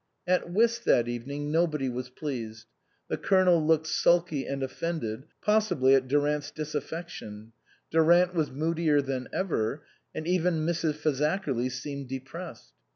At whist that evening nobody was pleased. The Colonel looked sulky and offended, possibly at Durant's disaffection ; Durant was moodier than ever, and even Mrs. Fazakerly seemed de pressed.